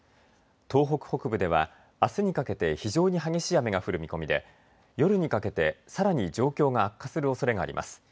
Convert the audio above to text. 東北北部ではあすにかけて非常に激しい雨が降る見込みで夜にかけてさらに状況が悪化するおそれがあります。